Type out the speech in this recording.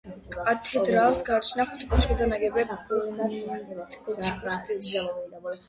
კათედრალს გააჩნია ხუთი კოშკი და ნაგებია გოთიკურ სტილში.